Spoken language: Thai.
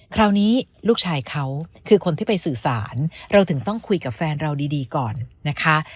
คราวนี้ลูกชายเขาคือคนที่ไปสื่อสารเราถึงต้องคุยกับแฟนเราดีก่อนนะคะ